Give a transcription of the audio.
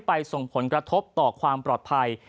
ส่งผลกระทบต่อความปลอดภัย